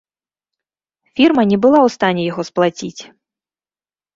Фірма не была ў стане яго сплаціць.